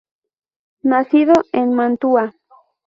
Nacido en Mantua.